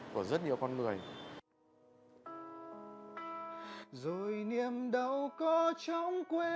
nó là sương màu của rất nhiều con người